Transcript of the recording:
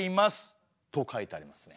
と書いてありますね。